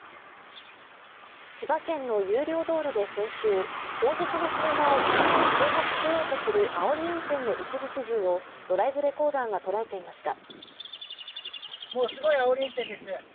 千葉県の有料道路で先週、後続の車を無理やり停車させようとするあおり運転の一部始終をドライブレコーダーが捉えていました。